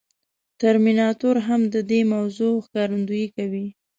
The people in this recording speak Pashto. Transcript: ترمیناتور هم د دې موضوع ښکارندويي کوي.